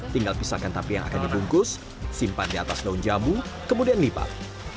tinggal pisahkan tape yang akan dibungkus simpan di atas daun jambu kemudian lipat